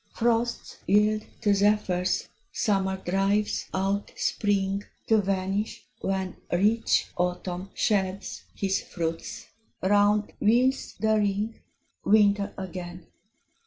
Frosts yield to zephyrs; Summer drives out Spring, To vanish, when Rich Autumn sheds his fruits; round wheels the ring, Winter again!